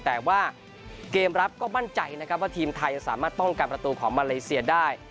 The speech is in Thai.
แต่ว่าเกมรับก็มั่นใจนะครับว่าทีมไทยจะสามารถป้องกันประตูของมาเลเซียได้